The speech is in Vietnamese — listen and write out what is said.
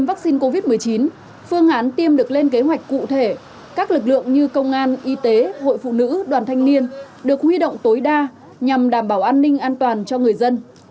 vaccine covid một mươi chín phương án tiêm được lên kế hoạch cụ thể các lực lượng như công an y tế hội phụ nữ đoàn thanh niên được huy động tối đa nhằm đảm bảo an ninh an toàn cho người dân